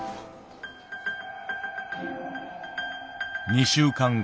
２週間後。